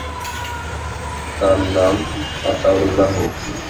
তার নাম আতাউল্লাহ।